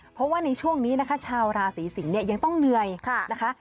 เพราะว่าในช่วงนี้นะคะชาวราศีสิงศ์เนี่ยยังต้องเหนื่อยนะคะ